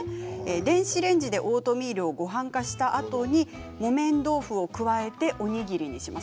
電子レンジでオートミールをごはん化したあとに木綿豆腐を加えておにぎりにします。